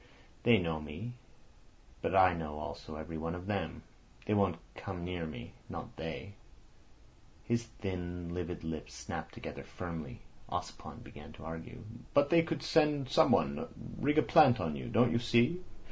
"They know me, but I know also every one of them. They won't come near me—not they." His thin livid lips snapped together firmly. Ossipon began to argue. "But they could send someone—rig a plant on you. Don't you see?